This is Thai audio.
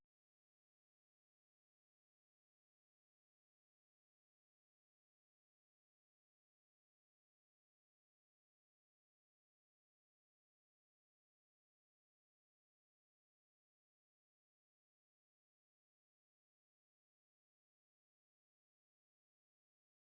โฯโบเกย์